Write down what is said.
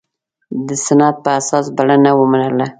د سنت په اساس بلنه ومنله.